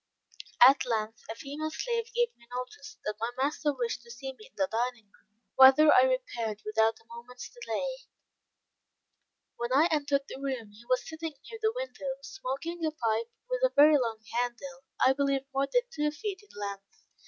At length a female slave gave me notice that my master wished to see me in the dining room, whither I repaired without a moment's delay. When I entered the room he was sitting near the window, smoking a pipe, with a very long handle I believe more than two feet in length.